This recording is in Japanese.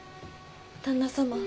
旦那様